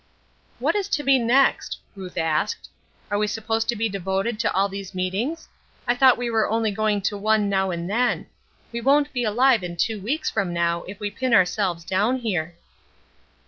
"What is to be next?" Ruth asked. "Are we supposed to be devoted to all these meetings? I thought we were only going to one now and then. We won't be alive in two weeks from now if we pin ourselves down here."